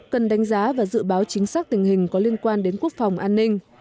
cần đánh giá và dự báo chính xác tình hình có liên quan đến quốc phòng an ninh